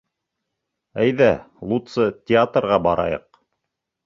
Әйҙә, лутсы театрға барайыҡ.